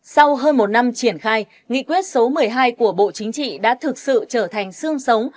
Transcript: sau hơn một năm triển khai nghị quyết số một mươi hai của bộ chính trị đã thực sự trở thành xương sống